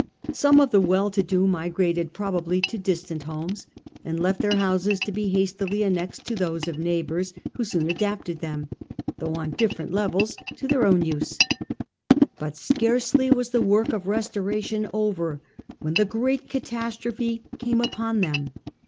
Some of the well to do migrated probably to distant homes and left their houses, to be hastily annexed to those of neighbours, who soon adapted them, though on different levels, to their use. But scarcely was the work of restoration over when the great cata strophe came upon them.